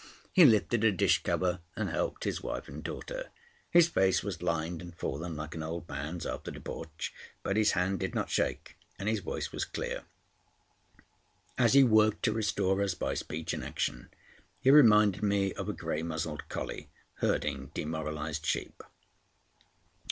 He lifted a dish cover, and helped his wife and daughter. His face was lined and fallen like an old man's after debauch, but his hand did not shake, and his voice was clear. As he worked to restore us by speech and action, he reminded me of a grey muzzled collie herding demoralised sheep.